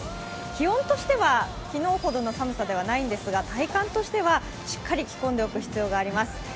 気温としては昨日ほどの寒さではないんですが、体感としてはしっかり着込んでおく必要があります。